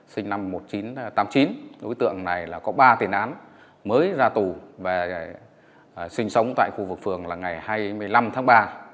sinh năm một nghìn chín trăm tám mươi chín đối tượng này là có ba tiền án mới ra tù về sinh sống tại khu vực phường là ngày hai mươi năm tháng ba